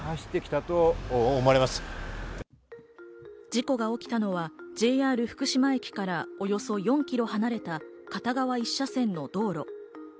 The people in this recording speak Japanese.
事故が起きたのはＪＲ福島駅からおよそ４キロ離れた片側１車線の道路。